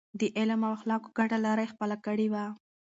د علم او اخلاقو ګډه لار يې خپله کړې وه.